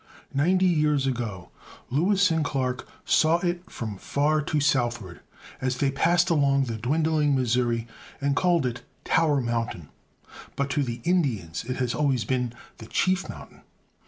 Ninety years ago Lewis and Clarke saw it from far to southward as they passed along the dwindling Missouri and called it Tower Mountain; but to the Indians it has always been The Chief Mountain.